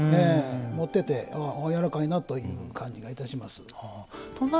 持ってて、やわらかいなという感じがいたします。